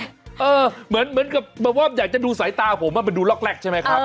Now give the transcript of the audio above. เหมือนกับแบบว่าอยากจะดูสายตาผมมันดูล็อกแรกใช่ไหมครับ